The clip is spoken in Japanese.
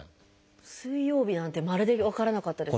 「水曜日」なんてまるで分からなかったですね。